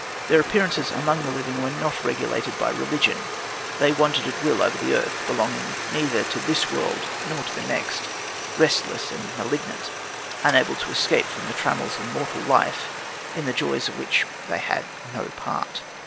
Their appearances among the living were not regulated by religion. They wandered at will over the earth, belonging neither to this world nor to the next, restless and malignant, unable to escape from the trammels of mortal life, in the joys of which they had no part.